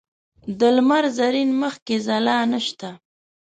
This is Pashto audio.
د لمر زرین مخ کې ځلا نشته